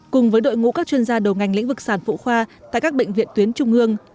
cùng với đội ngũ các chuyên gia đầu ngành lĩnh vực sản phụ khoa tại các bệnh viện tuyến trung ương